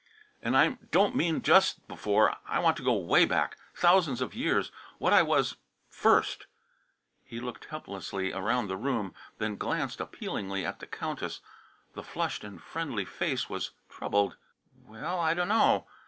"And I don't mean just before. I want to go 'way back, thousands of years what I was first." He looked helplessly around the room, then glanced appealingly at the Countess. The flushed and friendly face was troubled. "Well, I dunno."